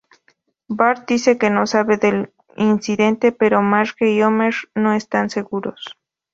Bart dice que no sabe del incidente, pero Marge y Homer no están seguros.